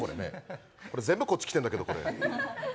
全部こっち来てるんだけど、これ。